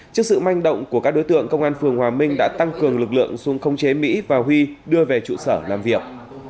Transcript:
trước sự manh động của các đối tượng công an phường hòa minh đã tăng cường lực lượng xuống không chế mỹ và huy đưa về trụ sở làm việc